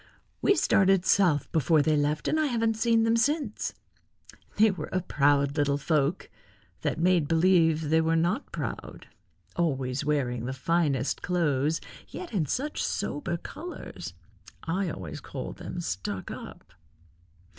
We started south before they left and I haven't seen them since. They were a proud little folk, that made believe they were not proud, always wearing the finest clothes, yet in such sober colors. I always called them stuck up."